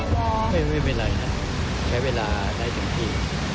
ไม่เป็นไรครับใช้เวลาได้เต็มที่